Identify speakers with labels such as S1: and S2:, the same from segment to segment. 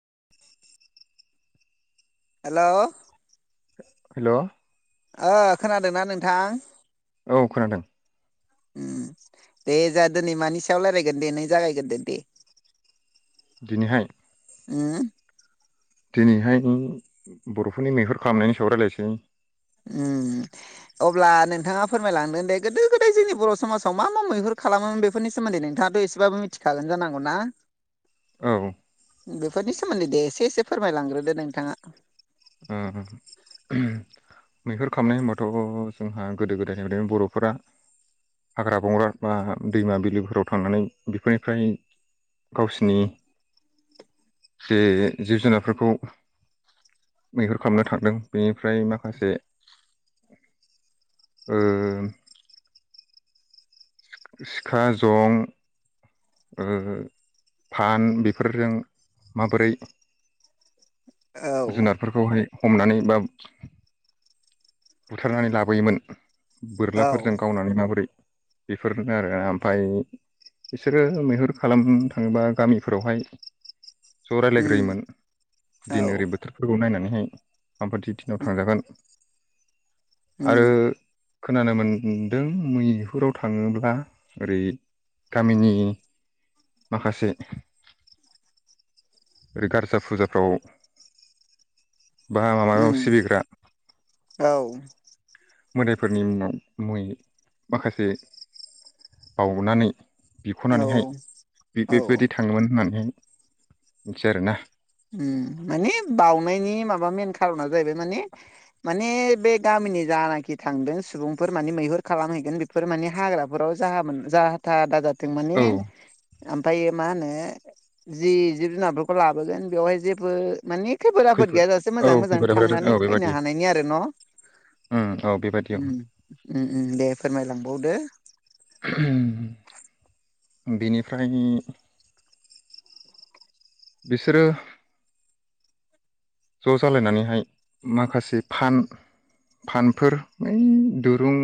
S1: [inaudible]
S2: Hello
S1: hello
S2: ओ खोनादोंना नोंथां?
S1: औ खोनादों
S2: दे जों दिनै मानि सायाव रायलायगोन दे नों जागायगोदो दे।
S1: दिनैहाय?
S2: उम
S1: दिनैहाय बर'फोरनि मैहुर खालामनायनि सायाव रायलायनोसै।
S2: उम। अब्ला नोंथाङा फोरमायलांदों दे गोदो गोदाय जोंनि बर' समाजाव मा मा मैहुर खालामोमोन बेफोरनि सोमोन्दै नोंथां नोंथांआथ' इसेबाबो मिथिखागोन जानांगौना?
S1: औ
S2: बेफोरनि सोमोन्दै दे एसे एसे फोरमायलांग्रोदो नोंथाङा।
S1: [unintelligible] मैहुर खालामनाय होनबाथ' जोंहा गोदो गोदायनिफ्राय बर'फोरा हाग्रा बंग्रा बा दैमा बिलोफोराव थांनानै बेफोरनिफ्राय गावसिनि बजे जिब जुनारफोरखौ मैहुर खालामनो थांदों बेनिफ्राय माखासे ओं। सिखा, जं। ओ फान बेफोरजों माबोरै
S2: औ
S1: जुनारफोरखौहाय हमनानै बा बुथारनानै लाबोयोमोन
S2: औ
S1: बोरलाफोरजों गावनानै माबोरै बेफोरनो आरो ओमफाय बिसोरो मैहुर खालामनो थाङोबा गामिफोरावहाय ज'
S2: उम
S1: रायलायग्रोयोमोन
S2: औ
S1: दिन आरि बोथोरफोरखौ नायनानै माबायदि दिनाव थांजागोन
S2: उम
S1: आरो खोनानो मोनदों मैहुराव थाङोब्ला ओरै गामिनि माखासे [inaudible] ओरै गारजा फुजाफ्राव [inaudible] बा माबायाव
S2: उम
S1: सिबिग्रा।
S2: औ।
S1: मोदायफोरनि मुङाव मुङै माखासे बावनानै
S2: औ
S1: बिखनानैहाय बे
S2: औ
S1: बेबायदि थाङोमोन होननानैहाय मिथि आरोना।
S2: ओम माने बावनायनि माबा मेन खारना जाहैबाय माने माने बे गाम जानाखि थांदों सुबुंफोर माने मैहुर खालामहैगोन बेफोर माने हाग्राफोराव जाहा जाहा थाहा दा जाथों। थों माने
S1: औ
S2: ओमफ्रायो मा होनो जि जिब जुनारफोरखौ लाबोगोन बेवहाय जेबो मानि खैफोद आफोद गैयाजासे
S1: औ
S2: मोजाङै मोजां
S1: खैफोद आफोद
S2: थांनानै
S1: औ बेबादि
S2: फैनो हानायनि आरो न'।
S1: उम औ बेबादि औ
S2: ओम ओम ओम दे फोरमायलांबावदो।
S1: [unintelligible] बेनिफ्राय बिसोरो ज' जालायनानैहाय माखासे फान फानफोर [unintelligible] दुरुं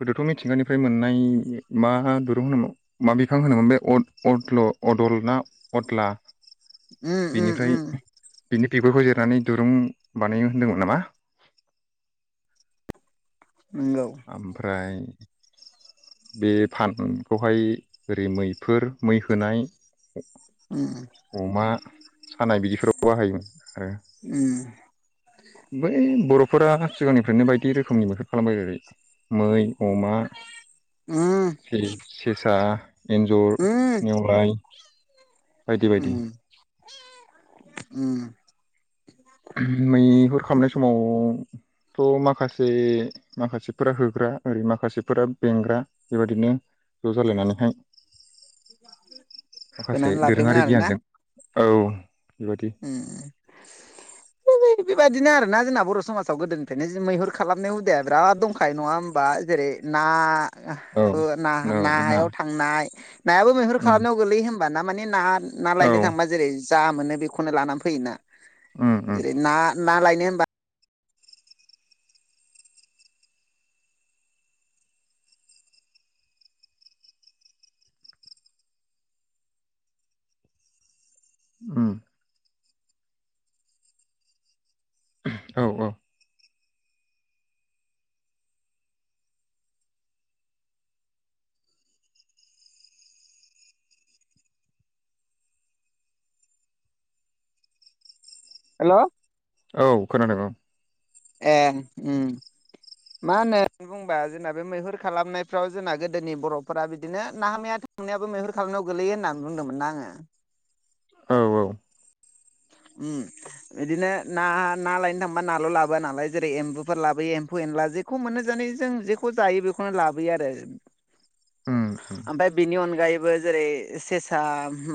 S1: गोदोथ' मिथिंगानिफ्राय मोननाय मा दुरुं होनोमोन मा बिफां होनोमोन बे अ-अदल' अदल ना अदला
S2: उम उम
S1: बिनिफ्राय
S2: उम
S1: बिनि बिगुरखौ जिर नानै दुरुं बानायो होनदोंमोन नामा।
S2: नंगौ
S1: ओमफ्राय बे फानखौहाय ओरै मैफोर मै होनाय
S2: उम
S1: अमा सानाय बिदिफोराव बाहायोमोन आरो।
S2: उम
S1: बै बर'फोरा सिगांनिफ्रायनो बायदि रोखोमनि मैहुर खालामबायबायो जेरै मै अमा
S2: उम
S1: सेसा एन्जर
S2: उम
S1: नेउलाइ।
S2: उम उम।
S1: मैहुर खालामनाय समाव थ' माखासे माखासेफोरा होग्रा ओरै माखासेफोरा बेंग्रा बेबादिनो ज' जालायनानैहाय माखासे
S2: होनानै लाबोयोमोन
S1: दोरोङारि
S2: आरोना।
S1: गियानजों औ। बेबायदि
S2: उम। [unintelligible] बेबायदिनो आरोना जोंना बर' समाजाव गोदोनिफ्रायनो जे मैहुर खालामनाय हुदाया बिराद दंखायो नङा होमबा जे एरै ना
S1: औ
S2: [unintelligible] ना
S1: ना
S2: नाहायाव थांनाय नायाबो मैहुर
S1: उम
S2: खालामनायाव गोग्लैयो होमबा ना माने ना ना
S1: औ
S2: लायनो थांबा जेरै जा मोनो बेखौनो लाना फैयोना।
S1: उम उम
S2: जेरै ना ना लायनो होनबा
S1: उम। औ औ।
S2: हेल'।
S1: औ खोनादों औ।
S2: ए उम। मा होनो बुंबा जोंना बे मैहुर खालामनायफ्राव जोंना गोदोनि बर'फोरा बिदिनो नाहा मैहा मैहुर खालामनायाव गोलैयो होननानै बुंदोमोन ना आङो।
S1: औ औ।
S2: उम। इदिनो ना ना लायनो थांबा नाल' लाबोआ नालाय जेरै एम्बुफोर लाबोयो एम्फौ एनला जेखौ मोनो जों माने जों जेखौ जायो बेखौनो लाबोयो आरो।
S1: उम उम
S2: आमफाय बिनि अनगायैबो जेरै सेसा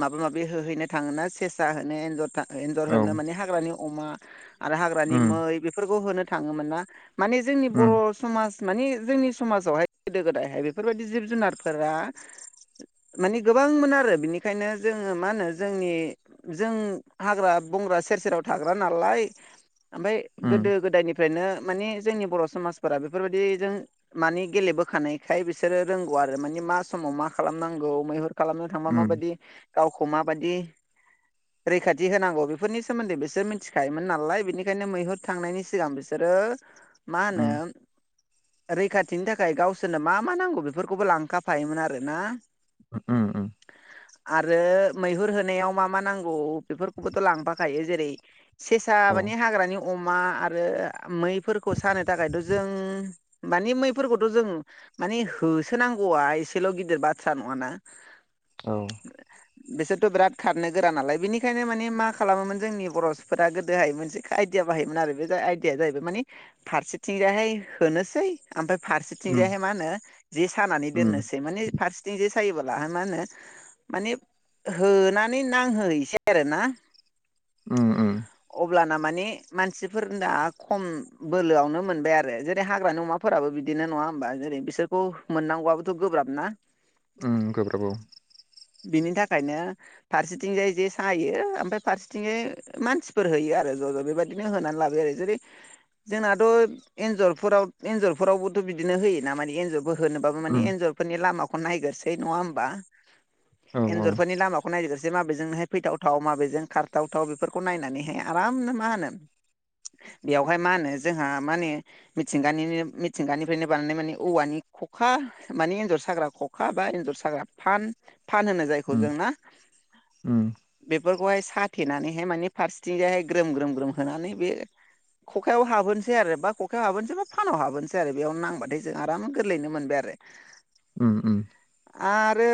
S2: माबा माबि होहैनो थाङोना सेसा होनो एन्जर थां एन्जर
S1: औ
S2: होनो माने हाग्रानि अमा आरो हाग्रानि
S1: उम
S2: मै बेफोरखौ होनो थाङोमोन ना माने जोंनि
S1: उम
S2: बर' समाज माने जोंनि समाजावहाय गोदो गोदायहाय बेफोरबायदि जिब जुनारफोरा माने गोबांमोन आरो बिनिखायनो जोङो मा होनो जोंनि जों हाग्रा बंग्रा सेर सेराव थाग्रा नालाय ओमफाय
S1: उम
S2: गोदो गोदायनिफ्रायनो माने जोंनि बर' समाजफोरा बेफोरबायदि जों मानि गेलेबोखानायखाय बिसोरो रोंगौ आरो माने मा समाव मा खालामनांगौ मैहुर खालामनो थांबा
S1: उम
S2: माबादि गावखौ माबादि रैखा थि होनांगौ बेफोरनि सोमोन्दै बेसोर मोन्थिखायोमोन नालाय बिनिखायनो मैहुर थांनायनि सिगां बेसोरो मा होनो
S1: उम
S2: रैखाथिनि थाखाय गावसोरनो मा मा नांगौ बेफोरखौबो लांखाफायोमोन आरोना।
S1: उम उम।
S2: आरो मैहुर होनायाव मा मा नांगौ बेफोरखौबोथ' लांफाखायो जेरै सेसा
S1: औ
S2: माने हाग्रानि अमा आरो मैफोरखौ सानो थाखायथ' जों माने मैफोरखौथ' जों माने होसोनांगौआ एसेल' गिदिर बाथ्रा नङाना।
S1: औ।
S2: बिसोरथ' बिराद खारनो गोरा नालाय बिनिखायनो माने मा खालामोमोन जोंनि बर'फोरा गोदोहाय मोनसे आइदिया बाहायोमोन आरो बे आयदियाया जाहैबाय मानि फारसे थिंजाहाय होनोसै ओमफाय
S1: उम
S2: फारसेथिंजायहाय मा होनो जे सानानै
S1: उम
S2: दोननोसै माने फारसेथिं जे सायोबोला मा होनो माने होनानै नांहोहैसै आरोना
S1: उम उम
S2: अब्लाना माने मानसिफोर दा खम बोलोआवनो मोनबाय आरो जेरै हाग्रानि अमाफोराबो बिदिनो नङा नङा होमबा जेरै बिसोरखौ मोननांगौआबोथ' गोब्राब ना
S1: अम गोब्राब औ
S2: बिनि थाखायनो फारसेथिंजाय जे सायो ओमफाय फारसेथिंजाय मानसिफोर होयो आरो ज' ज' बेबादिनो होनानै लाबो आरो जेरै जोंनाथ' एन्जरफोराव एन्जरफोरावबोथ' बिदिनो होयो ना माने एन्जरफोर होनोबाबो माने
S1: उम
S2: एन्जरफोरनि लामाखौ नायग्रोसै नङा होमबा
S1: औ औ
S2: एन्जरफोरनि लामाखौ नायग्रो जे माबेजोंहाय फैथावथाव, माबेजों खारथावथाव बेफोरखौ नायनानैहाय आरामनो मा होनो बेयावहाय मा होनो जोंहा माने मिथिंगानिनो मिथिंगानिफ्रायनो बानायनाय माने औवानि ख'खा मानि एन्जर साग्रा ख'खा, बा एन्जर साग्रा फान, फान होनो जायखौ जों
S1: उम
S2: ना,
S1: उम
S2: बे बेफोरखौहाय साथेनानैहाय माने फारसेथिंजायहाय ग्रोम- ग्रोम-ग्रोम होनानै बे ख'खायाव हाबहोनोसै आरो। बा ख'खायाव हाबोनोसै बा फानाव हाबोनोसै आरो बेयावनो नांबाथाय जों आराम गोरलैनो मोनबाय आरो। बे
S1: अम अम
S2: आरो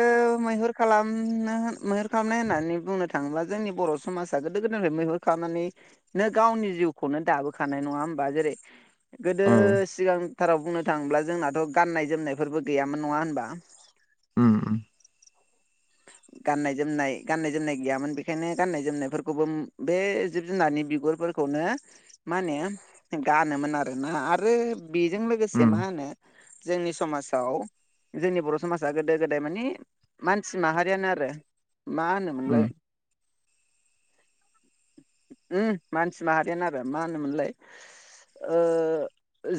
S2: मैहुर खालामनो मैहुर खालामनाय होननानै बुंनो थाङोब्ला जोंनि बर' समाजा गोदो गोदायनिफ्राय मैहुर खालामनानैनो गावनि जिउखौनो दाबोखानाय नङा हो बा, जेरै गोदो
S1: औ
S2: सिगां थाराव बुंनो थाङोब्ला जोंनाथ' गाननाय जोमनायफोरबो गैयामोन नङा होनबा
S1: अम अम [inaudible]
S2: गाननाय-जोमनाय गाननाय-जोमनाय गैयामोन बेखायनो गाननाय जोमनायफोरखौबो बे जिब-जुनारनि बिगुरफोर खौनो मा होनो गानोमोन आरोना आरो बेजों लोगोसे मा
S1: उम
S2: होनो जोंनि समाजाव जोंनि बर' समाजा गोदो-गोदाय माने मान सि माहारियानो आरो मा होनोमोनलाय
S1: उम [inaudible]
S2: अम मानसि माहारियानो आरो मा होनोमोनलाय ओ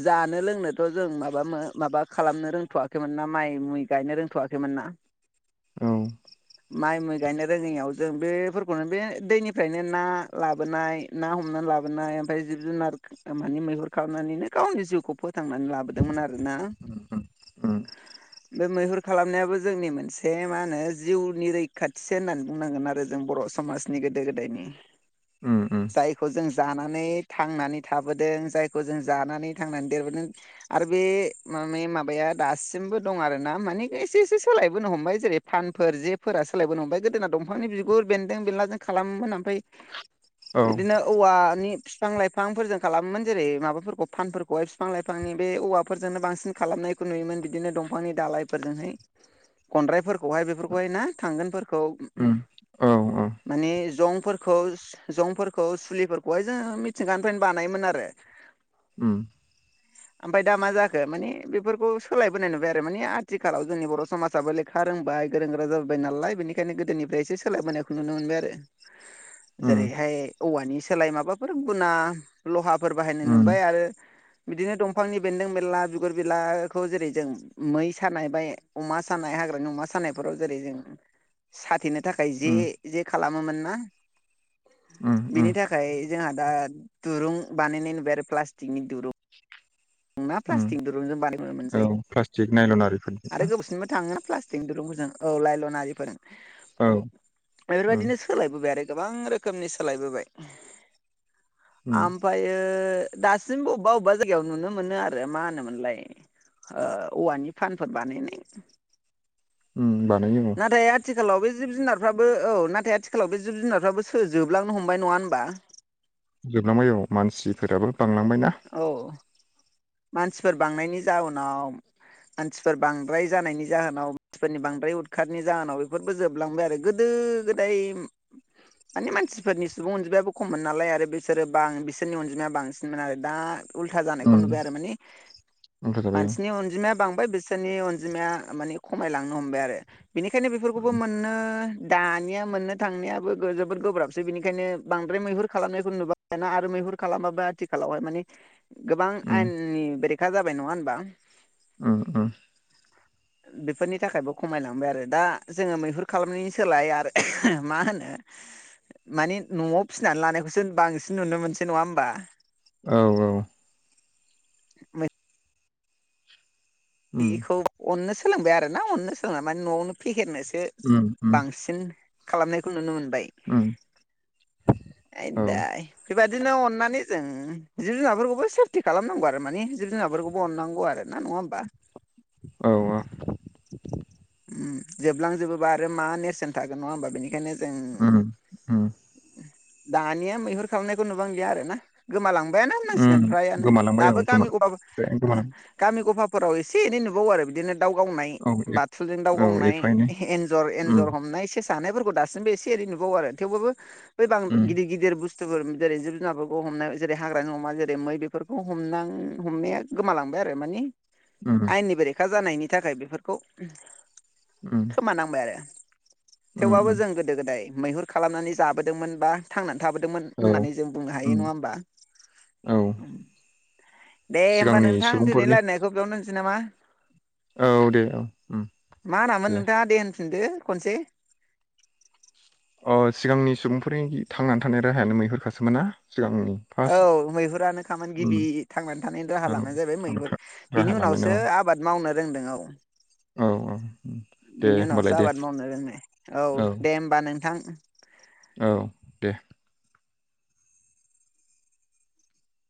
S2: जानो लोंनोथ' जों माबा-माबा खालामनो रोंथ'वाखैमोन ना माइ मुइ गायनो रोंथ'वाखैमोन ना
S1: औ
S2: माइ मुइ गायनो रोङैयाव जों बेफोरखौनो बे दैनिफ्रायनो ना लाबोनाय ना हमना लाबोनाय ओमफ्राय जिब-जुनार माने मैहुर खालामनानैनो गावनि जिउखौ फोथांनानै लाबोदोंमोन आरोना।
S1: अम
S2: बे मैहुर खालामनायाबो जोंनि मोनसे बे मा होनो जिउनि रैखाथिसो होननानै बुंनांगोन आरो जों बर' समाजनि गोदो-गोदायनि।
S1: उम उम
S2: जायखौ जों जानानै थांनानै थाबोदों जायखौ जों जानानै थांनानै देरबोदों आरो बे माने माबाया दासिमबो दं आरोना मानि एसे- एसे सोलायबोनो हमबाय जेरै-फानफोर जेफोरा सोलायबोनो हमबाय गोदोना दंफांनि बिगुर बेन्दों बेनलाजों खालामोमोन ओमफ्राय
S1: औ
S2: बिदिनो औवानि फिफां-लाइफांफोरजों खालामोमोन, जेरै माबाफोरखौ फानफोरखौहाय बिफां-लाइफांनि बे औवाफोरजोंनो बांसिन खालाम नायखौ नुयोमोन। बिदिनो दंफांनि दालाइफोरजोंहाय गनद्रायफोर खौहाय बेफोरखौहाय ना थांगोनफोरखौ
S1: उम औ
S2: माने जंफोरखौ-जंफोरखौ, सुलिफोरखौहाय जोंङो मिथिंगानिफ्रायनो बानायोमोन आरो [unintelligible]
S1: अम
S2: ओमफ्राय दा मा जाखो मानि बेफोरखौ सोलायबोनाय नुबाय आरो मानि आथिखालाव जोंनि बर' समाजाबो लेखा रोंबाय गोरों गोरा जाबाय नालाय बेनिखायनो गोदोनिफ्राय एसे सोलायबोनायखौ नुनो मोनबाय आरो।
S1: उम
S2: जेरैहाय औवानि सोलाय माबाफोर गुना लहाफोर बाहायनाय नुबाय आरो बिदिनो दंफांनि बेन्दों-बेनला, बिगुर -बिलाखौ जेरै जों मै सानाय बा अमा सानाय हाग्रा अमा सानायफोराव जेरै जों साथेनो थाखाय जे जे खालामोमोन ना
S1: उम उम
S2: बेनि थाखाय जोंहा दा दुरुं बानायनाय नुबाय आरो प्लास्टिकनि दुरुं नोंना
S1: उम
S2: प्लास्टिक दुरुंजों बानाय [unintelligible]
S1: औ
S2: मोनसै
S1: प्लास्टिक नायलन आरिफोरनि
S2: आरो
S1: ना
S2: गोबावसिनबो थाङो ना प्लास्ट दुरुं [unintelligible] जों औ लाइलन आरिफोर,
S1: औ उम
S2: बेफोरबायदिनो सोलायबोबाय आरो गोबां रोखोमनि सोलायबोबाय
S1: उम
S2: आमफायो दासिमबो बबेबा अबेबा जायगायाव नुनो मोनो आरो मा होनोमोनलाय ओ औवानि फानफोर बानायनाय
S1: [inaudible] बानायो औ
S2: नाथाय आथिखालाव बे जिब जुनारफ्राबो औ नाथाय आथिखालाव बे जिब जुनारफ्राबो सो जोबलांनो हमबाय नङा होनबा
S1: जोबलांबाय औ मानसिफोराबो बांलांबायना
S2: औ मानसिफोर बांनायनि जाउनाव मानसिफोर बांद्राय जानायनि जाहोनाव मानसिफोरनि बांद्राय उदखारनि जाहोनाव बेफोरबो जोबलांबाय आरो गोदो दो गोदाय माने मानसिफोरनि सुबुं अनजिमायाबो खममोन नालाय आरो बिसोरो बां बिसोरनि अनजिमाया बांसिनमोन आरो दा उल्था जानायखौ
S1: उम
S2: नुबाय आरो माने
S1: ओंखार जाबाय औ
S2: मानसिनि अनजिमाया बां बाय बिसोरनि अनजिमाया माने खमायलांनो हमबाय आरो बिनिखायनो बेफोरखौबो
S1: उम
S2: मोननो दा दानिया मोननो थांनायाबो गो जोबोद गोब्राबसै बेनिखायनो बांद्राय मैहुर खालामनायखौ नुबा [unintelligible] ना आरो मैहुर खालाम माबा आथिखालावहाय माने गोबां
S1: उम
S2: आयेननि बेरेखा जाबाय नङा होनबा
S1: उम उम
S2: बेफोरनि थाखायबो खमायलांबाय आरो दा जोङो मैहुर खालामनायनि सोलाय आरो मा होनो
S1: [inaudible]
S2: माने नआव फिसिनानै लानायखौसो बांसिन नुनो मोनसै नङा होमबा
S1: औ औ
S2: मै
S1: उम
S2: बेखौ अननो सोलोंबाय आरोना अननो सोलोंनानै माने न'आवनो फेहेरनोसो
S1: उम उम
S2: बांसिन खालामनायखौ नुनो मोनबाय।
S1: उम [inaudible]
S2: बेबायादिनो अननानै जों जिब जुनारफोरखौबो सेफटि खालामनांगौ आरो मानि जिब जुनार [unintelligible] फोरखौबो अनांगौ आरो ना नङा होमबा
S1: औ
S2: उम जोबलांजोबोबा आरो मा नेरसोन थागोन नङा होमबा बेनिखायनो जों
S1: उम उम
S2: दानिया मैहुर खालामनायखौ नुबांलिया आरो ना गोमालांबायानो होननांसिगोन
S1: उम
S2: फ्रायानो
S1: गोमालांबाय
S2: दाबो
S1: औ गोमा
S2: गामि गफा
S1: गोमालांबाय
S2: गामि गफाफोराव एसे एनै नुबावो आरो बिदिनो दाव गावनाय
S1: औ
S2: बाथुलजों दाव
S1: औ
S2: गावनाय
S1: एफा एनै
S2: एनजर
S1: उम
S2: एनजर हमनाय सो जानायफोरखौ दासिमबो एसे एनै नुबावो आरो थेवबाबो बै बां
S1: उम
S2: गदिर गिदिर बुस्थ बुस्थुफोर जेरै जिब जुनारफोरखौ हमनाय जेरै हाग्रानि अमा जेरै मै बेफोरखौ हमनां हमनाया गोमालांबाय [unintelligible] आरो माने
S1: उम
S2: आयेननि बेरेखा जानायनि थाखाय बेफोरखौ
S1: उम
S2: खोमानांबाय आरो
S1: उम
S2: थेवबाबो
S1: उम
S2: जों गोदो गोदाय मैहुर खालामनानै जाबोदोंमोन बा थांना थाबोदोंमोन
S1: औ
S2: होननानै जों बुंनो हायो
S1: उम
S2: नङा होमबा
S1: औ
S2: दे होमबा
S1: सिगांनि
S2: नोंथां दिनै
S1: सुबुंफोरनि
S2: रायलायनायखौ बेयावनो दोनसै नामा
S1: औ दे औ उम
S2: मा होनामोन
S1: दे
S2: नोंथाङा देन होनदो खनसे
S1: अ सिगांनि सुबुंफोरनि थांनानै थानाय राहायानो मैहुरखासो मोनना
S2: औ मैहुरानो खामोन
S1: उम
S2: गिबि थांनानै थानायनि राहा
S1: औ
S2: लामानो जाहैबाय
S1: थांना
S2: मैहुर
S1: था राहा
S2: बिनि
S1: लानायानो
S2: उनावसो आबाद मावनो रोंदों औ
S1: औ औ
S2: [inaudible]
S1: दे
S2: बिनि
S1: होमबालाय
S2: उनावसो
S1: दे
S2: आबाद मावनो रोंनाय औ दे ओमबा नोंथां [inaudible]
S1: औ देह